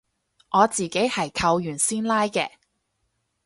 我自己係扣完先拉嘅